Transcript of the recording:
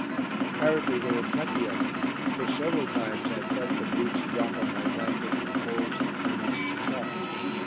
Apparently there were plenty of them, for several times I felt the brutes drop on my blanket from holes and crannies in the chalk.